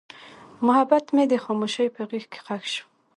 محبت مې د خاموشۍ په غېږ کې ښخ شو.